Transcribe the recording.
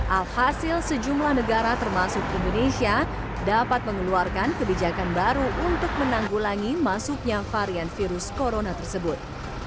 alhasil sejumlah negara termasuk indonesia dapat mengeluarkan kebijakan baru untuk menanggulangi masuknya varian virus corona tersebut